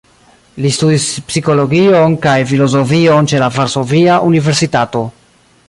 Li studis psikologion kaj filozofion ĉe la Varsovia Universitato.